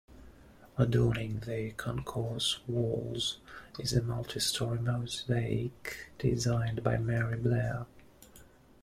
Adorning the concourse walls is a multi-story mosaic designed by Mary Blair.